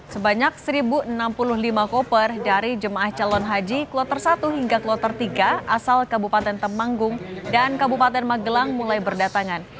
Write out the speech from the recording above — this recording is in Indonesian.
sebanyak satu enam puluh lima koper dari jemaah calon haji kloter satu hingga kloter tiga asal kabupaten temanggung dan kabupaten magelang mulai berdatangan